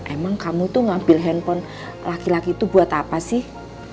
emang kamu tuh ngambil handphone laki laki itu buat apa sih